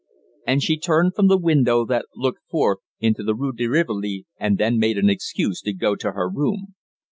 And she turned from the window that looked forth into the Rue de Rivoli, and then made an excuse to go to her room.